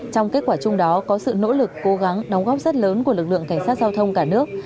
trong kết quả chung đó có sự nỗ lực cố gắng đóng góp rất lớn của lực lượng cảnh sát giao thông cả nước